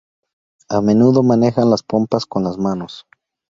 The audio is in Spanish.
A menudo manejan las pompas con las manos.